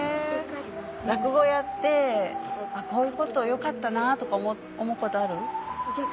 落語やってこういうことよかったなとか思うことある？